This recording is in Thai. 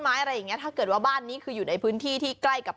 อะไรอย่างเงี้ถ้าเกิดว่าบ้านนี้คืออยู่ในพื้นที่ที่ใกล้กับ